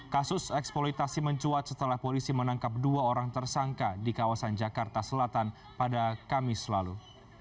kasus eksploitasi mencuat setelah polisi menangkap dua orang tersangka di kawasan jakarta selatan pada kamis lalu